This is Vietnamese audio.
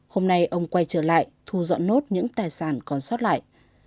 hôm nay ông quay trở lại thu dọn nốt những tài sản còn sót lại